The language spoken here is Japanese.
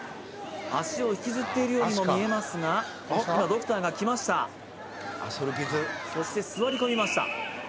脚を引きずっているようにも見えますが今ドクターが来ましたそして座り込みました